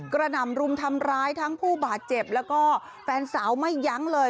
หนำรุมทำร้ายทั้งผู้บาดเจ็บแล้วก็แฟนสาวไม่ยั้งเลย